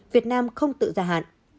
việt nam không tự gia hạn